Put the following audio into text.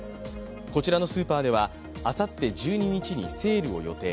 こちらのスーパーではあさって１２日にセールを予定。